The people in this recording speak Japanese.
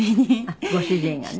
あっご主人がね。